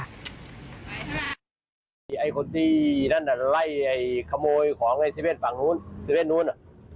ไอ้คนตีนั่นน่ะไล่ไอ้ขโมยของไอ้เซเวสฝั่งนู้น